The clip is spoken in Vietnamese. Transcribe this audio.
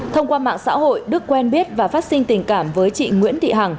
thông qua mạng xã hội đức quen biết và phát sinh tình cảm với chị nguyễn thị hằng